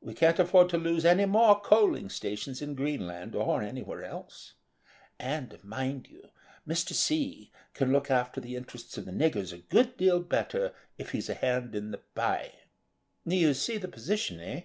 We can't afford to lose any more coaling stations in Greenland or anywhere else. And, mind you, Mr. C. can look after the interests of the niggers a good deal better if he's a hand in the pie. You see the position, eh?"